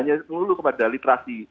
hanya melulu kepada literasi